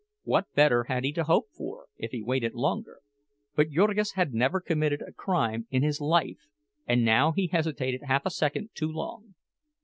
What better had he to hope for, if he waited longer? But Jurgis had never committed a crime in his life, and now he hesitated half a second too long.